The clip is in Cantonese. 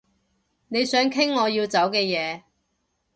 你想傾我要走嘅嘢